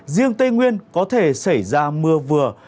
riêng tây nguyên có thể xảy ra mưa vừa